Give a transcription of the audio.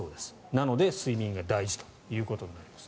なので、睡眠が大事ということになります。